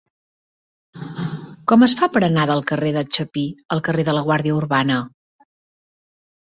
Com es fa per anar del carrer de Chapí al carrer de la Guàrdia Urbana?